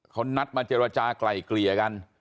เขานัดมาเจรจากลายเกลี่ยกัน